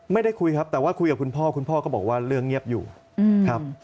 ไม่ได้คุยครับแต่ว่าคุยกับคุณพ่อคุณพ่อก็บอกว่าเรื่องเงียบอยู่ครับ